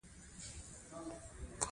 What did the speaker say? افغانستان د بادي انرژي له مخې پېژندل کېږي.